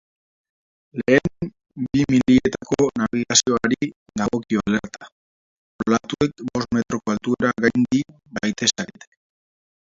Lehen bi milietako nabigazioari dagokio alerta, olatuek bost metroko altuera gaindi baitezakete.